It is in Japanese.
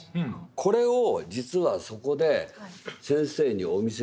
これを実はそこで先生にお見せして。